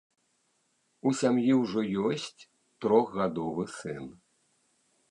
У сям'і ўжо ёсць трохгадовы сын.